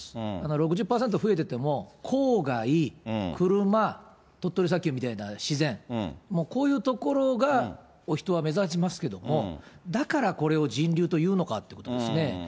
６０％増えてても、郊外、車、鳥取砂丘みたいな自然、もうこういう所がお人は目立ちますけども、だからこれを人流というのかということですね。